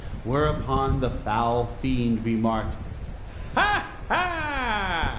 Whereupon the foul fiend remarked "Ha, ha!"